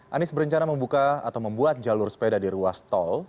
anies berencana membuka atau membuat jalur sepeda di ruas tol